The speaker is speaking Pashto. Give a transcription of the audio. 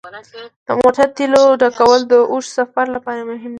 د موټر تیلو ډکول د اوږده سفر لپاره مهم دي.